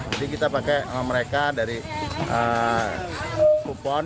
jadi kita pakai mereka dari kupon